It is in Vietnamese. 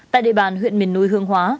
tại địa bàn huyện mình nui hương hóa